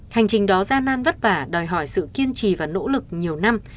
hành trình đó gian nan vất vả đòi hỏi sự kiên trì và nỗ lực nhiều năm